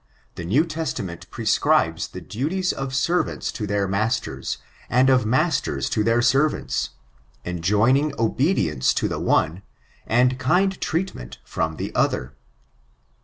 — The New Testa ment prescribes the duties of servants to tJieir masters, and of masters to then servants ; enjoining obedience to the one, and kind treatment from the other.